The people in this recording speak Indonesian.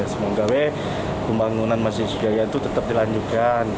semoga pembangunan masjid sriwijaya tetap dilanjutkan